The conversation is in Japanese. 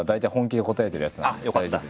あっよかったです。